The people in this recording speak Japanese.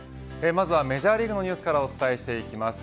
まずはメジャーリーグのニュースからお伝えしていきます。